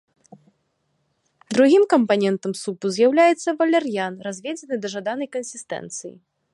Другім кампанентам супу з'яўляецца валяр'ян, разведзены да жаданай кансістэнцыі.